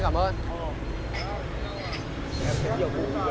chào anh ơi cho ai bọn em bạn yêu